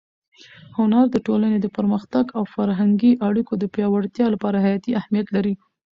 هنر د ټولنې د پرمختګ او فرهنګي اړیکو د پیاوړتیا لپاره حیاتي اهمیت لري.